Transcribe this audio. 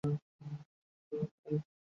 চলো, ওটার দখল নিই!